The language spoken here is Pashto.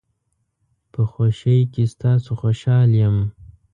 په خوشۍ کې ستاسو خوشحال یم.